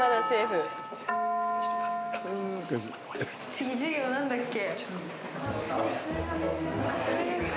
次授業何だっけ？